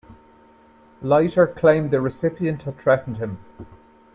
Leiter claimed the recipient had threatened him.